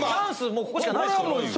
もうここしかないですよね？